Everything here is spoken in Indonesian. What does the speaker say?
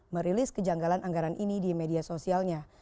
merilis kejanggalan anggaran ini di media sosialnya